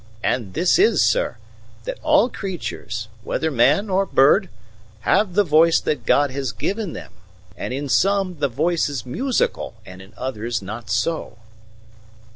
And this is, sir, that all creatures, whether man or bird, have the voice that God has given them; and in some the voice is musical and in others not so."